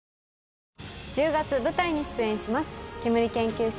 １０月舞台に出演します。